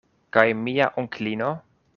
Kaj mia onklino?